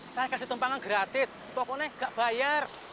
saya kasih tumpangan gratis pokoknya nggak bayar